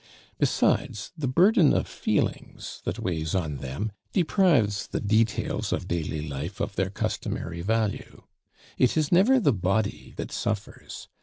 Besides, the burden of feelings that weighs on them deprives the details of daily life of their customary value. It is never the body that suffers.